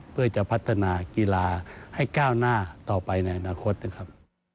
เพื่อจะพัฒนากีฬาให้ก้าวหน้าต่อไปในอนาคตนะครับ